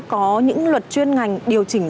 có những luật chuyên ngành điều chỉnh